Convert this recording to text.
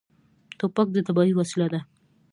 توپک د تباهۍ وسیله ده.